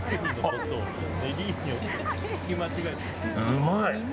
うまい！